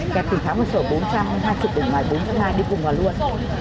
các tỉnh kháu một sổ bốn trăm hai mươi đồng ngoài bốn trăm hai mươi đi cùng vào luôn